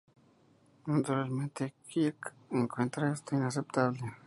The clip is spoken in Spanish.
Naturalmente, Kirk encuentra esto inaceptable.